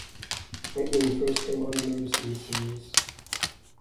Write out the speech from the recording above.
Weightman first came under notice in this series.